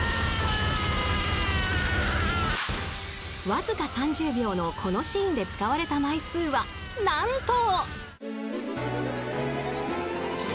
［わずか３０秒のこのシーンで使われた枚数は何と！］